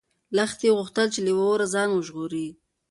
لښتې غوښتل چې له اوره ځان وژغوري.